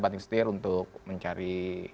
batik setir untuk mencari